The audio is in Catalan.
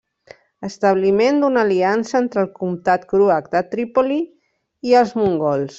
Establiment d'una aliança entre el comtat croat de Trípoli i els mongols.